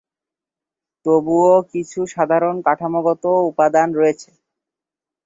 তবুও, কিছু সাধারণ কাঠামোগত উপাদান রয়েছে।